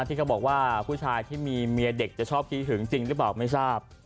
ที่เขาบอกว่าผู้ชายที่มีเมียเด็กจะชอบขี้หึงจริงหรือเปล่าไม่ทราบ